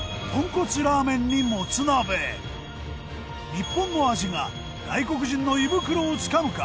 日本の味が外国人の胃袋をつかむか？